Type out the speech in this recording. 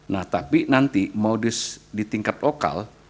nah tapi nanti mau di tingkat lokal